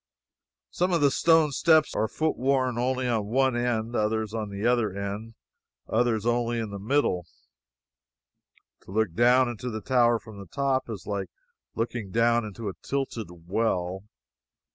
Some of the stone steps are foot worn only on one end; others only on the other end; others only in the middle. To look down into the tower from the top is like looking down into a tilted well.